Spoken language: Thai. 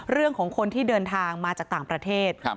เรื่องของคนที่เดินทางมาจากต่างประเทศ